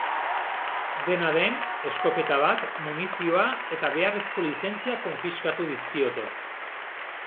Dena den, eskopeta bat, munizioa eta beharrezko lizentziak konfiskatu dizkiote.